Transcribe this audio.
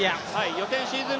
予選シーズン